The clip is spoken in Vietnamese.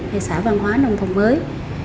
hay xã văn hóa nông thôn mới